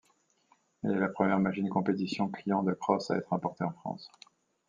Elle est la première machine compétition-client de cross à être importée en France.